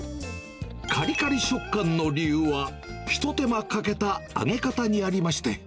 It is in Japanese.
かりかり食感の理由は、ひと手間かけた揚げ方にありまして。